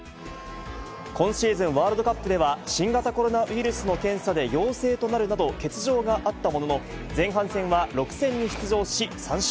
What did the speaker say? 今シーズンワールドカップでは新型コロナウイルスの検査で陽性となるなど、欠場があったものの、前半戦は６戦に出場し３勝。